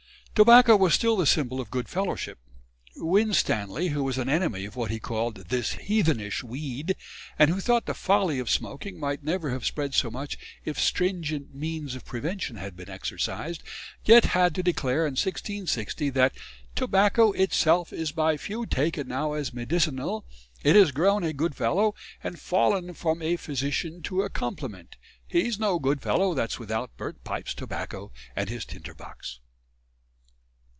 Tobacco was still the symbol of good fellowship. Winstanley, who was an enemy of what he called "this Heathenish Weed," and who thought the "folly" of smoking might never have spread so much if stringent "means of prevention" had been exercised, yet had to declare in 1660 that "Tobacco it self is by few taken now as medicinal, it is grown a good fellow, and fallen from a Physician to a Complement. 'He's no good fellow that's without ... burnt Pipes, Tobacco, and his Tinder Box.'"